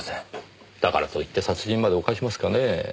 だからといって殺人まで犯しますかねぇ。